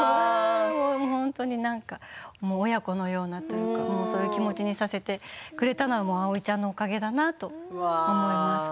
本当に何か親子のようなというかそういう気持ちにさせてくれたのは蒼ちゃんのおかげかなと思います。